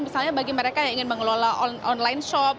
misalnya bagi mereka yang ingin mengelola online shop